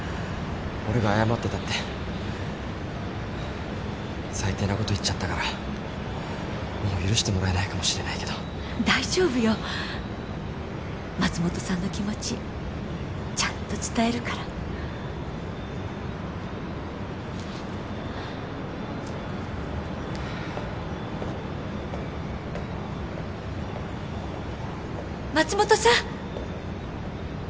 俺が謝ってたって最低なこと言っちゃったからもう許してもらえないかもしれないけど大丈夫よ松本さんの気持ちちゃんと伝えるから松本さん！